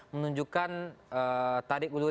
menunjukkan tarik ulur